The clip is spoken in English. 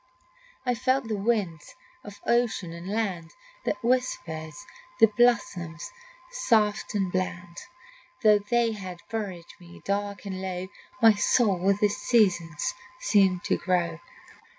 I felt the winds of ocean and land That whispered the blossoms soft and bland. Though they had buried me dark and low, My soul with the season's seemed to grow.